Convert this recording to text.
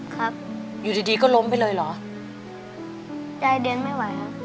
ครับอยู่ดีดีก็ล้มไปเลยเหรอยายเดินไม่ไหวครับ